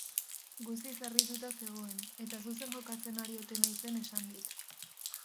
Guztiz harrituta zegoen, eta zuzen jokatzen ari ote naizen esan dit.